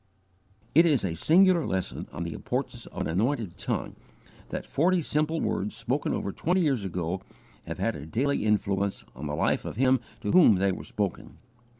It is a singular lesson on the importance of an anointed tongue, that forty simple words, spoken over twenty years ago, have had a daily influence on the life of him to whom they were spoken.